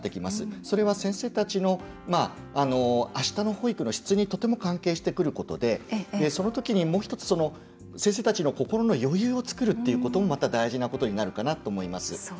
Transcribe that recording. それは先生たちのあしたの保育の質にとても関係してくることでその時に先生たちの心の余裕を作ることも大事になると思います。